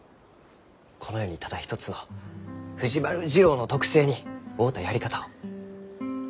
この世にただ一つの藤丸次郎の特性に合うたやり方を。